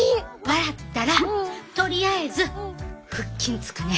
笑ったらとりあえず腹筋つくね。